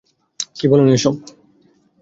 কি বলেন এসব?